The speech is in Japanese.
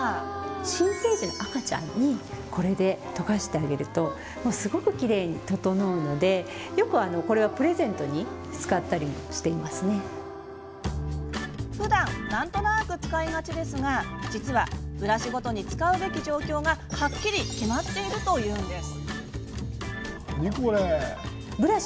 新生児の赤ちゃんにこれでとかしてあげるともうすごくきれいに整うのでふだんなんとなく使いがちですが実はブラシごとに使うべき状況がはっきり決まっているというんです。